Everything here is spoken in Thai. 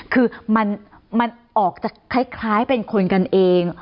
คือมันออกจะคล้ายเป็นคนกันเอง